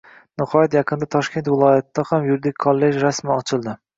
Nihoyat, yaqinda Toshkent viloyatida ham yuridik kollej rasman ochildi!